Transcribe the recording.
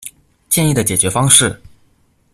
建議的解決方式